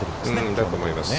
だと思います。